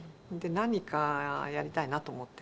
何かやりたいなと思って。